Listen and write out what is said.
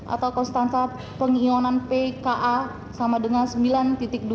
atau konstanta pengionan pka sama dengan sembilan dua